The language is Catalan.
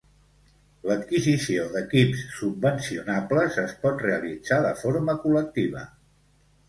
L'adquisició d'equips subvencionables es pot realitzar de forma col·lectiva.